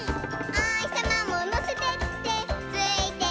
「おひさまものせてってついてくるよ」